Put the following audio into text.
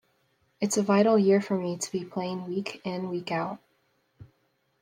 It's a vital year for me to be playing week in, week out.